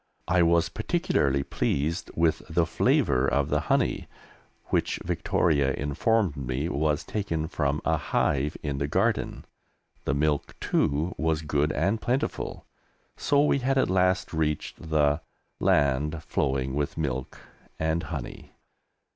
I was particularly pleased with the flavour of the honey, which Victoria informed me was taken from a hive in the garden. The milk, too, was good and plentiful, so we had at last reached the "land flowing with milk and honey."